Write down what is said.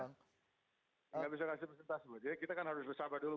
nggak bisa kasih persentase jadi kita kan harus bersabar dulu